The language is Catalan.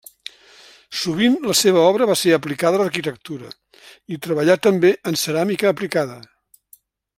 Sovint la seva obra va ser aplicada a l'arquitectura, i treballà també en ceràmica aplicada.